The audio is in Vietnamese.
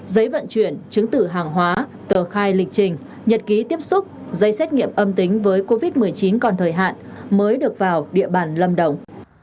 giấy vận chuyển chứng tử hàng hóa tờ khai lịch trình nhật ký tiếp xúc giấy xét nghiệm âm tính với covid một mươi chín còn thời hạn mới được vào địa bàn lâm đồng